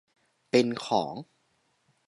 เป็นของ